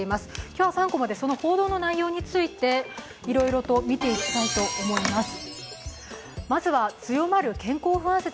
今日は３コマでその報道の内容についていろいろと見ていきたいと思います。